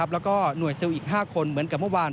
แล้วก็หน่วยซิลอีก๕คนเหมือนกับเมื่อวาน